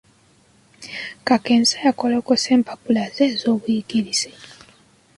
Kakensa yakolokose empapula ze ez'obuyigirize.